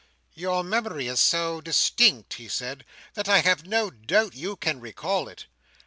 "Your memory is so distinct," he said, "that I have no doubt you can recall it."